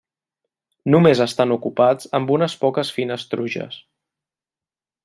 Només estan ocupats amb unes poques fines truges.